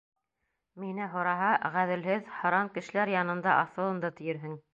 Мине һораһа, ғәҙелһеҙ, һаран кешеләр янында аҫылынды, тиерһең.